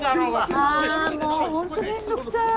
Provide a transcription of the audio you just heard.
あもうホント面倒くさい。